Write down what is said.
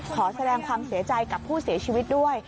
ขอแสดงความเสียใจกับผู้เสียชีวิตด้วย